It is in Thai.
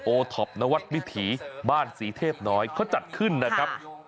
ท็อปนวัดวิถีบ้านศรีเทพน้อยเขาจัดขึ้นนะครับ